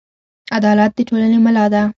عدالت د ټولنې ملا ده.